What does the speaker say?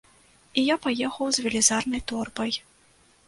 І я паехаў з велізарнай торбай.